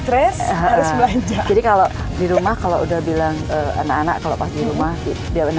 kan harus mana jadi kalau di rumah kalau udah bilang ano ano kalau pasti rumah itu tahunnya